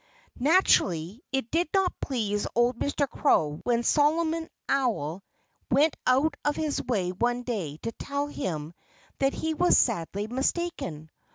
Naturally it did not please old Mr. Crow when Solomon Owl went out of his way one day to tell him that he was sadly mistaken.